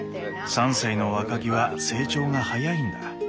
３歳の若木は成長が早いんだ。